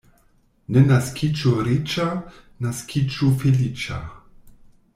Ne naskiĝu riĉa, naskiĝu feliĉa.